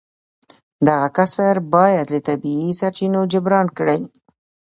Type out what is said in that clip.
دغه کسر باید له طبیعي سرچینو جبران کړي